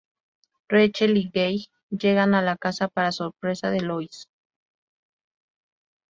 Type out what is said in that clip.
Rachel y Gage llegan a la casa para sorpresa de Louis.